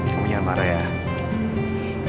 kamu jangan marah ya